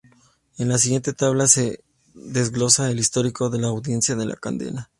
En la siguiente tabla se desglosa el histórico de audiencias de la cadena.